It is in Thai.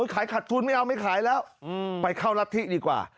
ขายขัดทุนไม่เอาไม่ขายแล้วไปเข้ารัฐธิดีกว่า